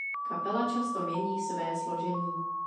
Kapela často mění své složení.